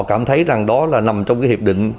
cảm thấy rằng đó là nằm trong cái hiệp định